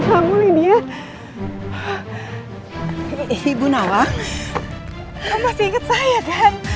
pakar rasa awkward